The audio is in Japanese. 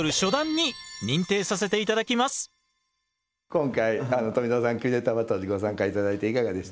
今回富澤さん「キュレーターバトル！！」にご参加頂いていかがでしたか？